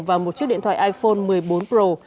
và một chiếc điện thoại iphone một mươi bốn pro